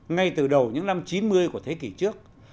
ngay từ đầu những năm chín mươi của thế kỷ trước